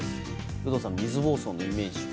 有働さん、水ぼうそうのイメージ。